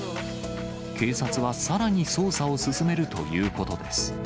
警察はさらに捜査を進めるということです。